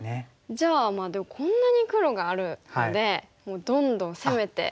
じゃあでもこんなに黒があるのでもうどんどん攻めていきます。